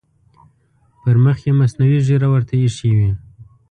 پر مخ یې مصنوعي ږیره ورته اېښې وي.